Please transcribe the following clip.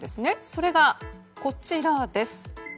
それが、こちらです。